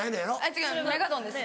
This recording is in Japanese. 違いますメガドンです。